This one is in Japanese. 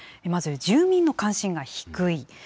まず、住民の関心が低い。